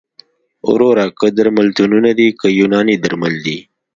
وروره که درملتونونه دي که یوناني درمل دي